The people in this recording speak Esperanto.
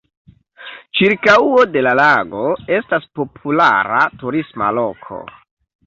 Ĉirkaŭo de la lago estas populara turisma loko.